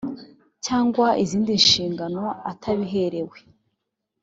cyangwa izindi nshingano atabiherewe